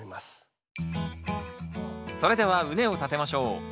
それでは畝を立てましょう。